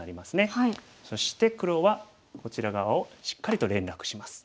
そして黒はこちら側をしっかりと連絡します。